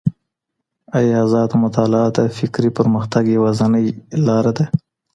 آيا ازاده مطالعه د فکري پرمختګ يوازينۍ لاره ده؟